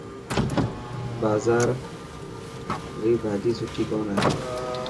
بازار ري ڀاڄي سٺي ڪون هي.